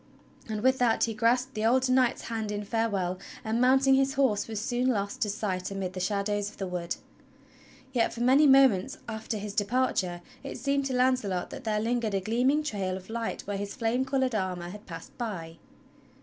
And with that he grasped the older knight's hand in farewell, and mounting his horse was soon lost to sight amid the shadows of the wood. Yet for many moments after his departure it seemed to Launcelot that there lingered a gleaming trail of light where his flame colored armor had passed by.